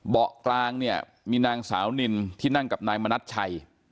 เบาะกลางเนี่ยมีนางสาวนินที่นั่งกับนายมณัชชัย